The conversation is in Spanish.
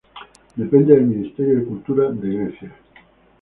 Depende del Ministerio de Cultura de Grecia.